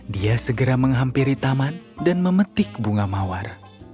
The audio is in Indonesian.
dia segera menghampiri taman dan memetik bunga mawar